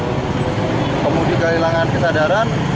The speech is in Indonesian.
penggemudi kehilangan kesadaran